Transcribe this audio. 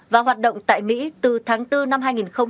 và hoạt động tại mỹ từ tháng bốn năm hai nghìn một mươi chín